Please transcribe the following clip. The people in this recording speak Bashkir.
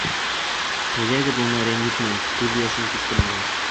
Әйҙәгеҙ, уны рәнйетмәйек, күҙ йәшен түктермәйек.